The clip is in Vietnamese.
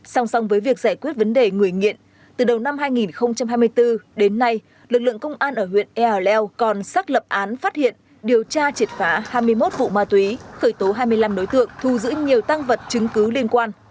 song song với việc giải quyết vấn đề người nghiện từ đầu năm hai nghìn hai mươi bốn đến nay lực lượng công an ở huyện ea leo còn xác lập án phát hiện điều tra triệt phá hai mươi một vụ ma túy khởi tố hai mươi năm đối tượng thu giữ nhiều tăng vật chứng cứ liên quan